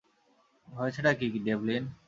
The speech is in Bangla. হয়েছেটা কি, ডেভলিন?